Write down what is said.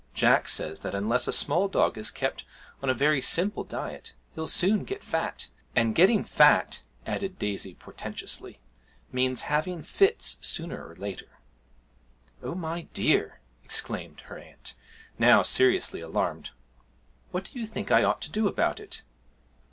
Jack says that unless a small dog is kept on very simple diet he'll soon get fat, and getting fat,' added Daisy portentously, 'means having fits sooner or later.' 'Oh, my dear!' exclaimed her aunt, now seriously alarmed. 'What do you think I ought to do about it?'